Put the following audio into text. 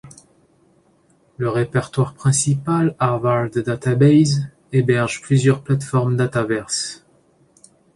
Le répertoire principal, Harvard Database, héberge plusieurs plateformes dataverses.